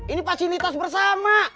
ini fasilitas bersama